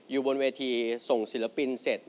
อยู่บนเวทีส่งศิลปินเสร็จ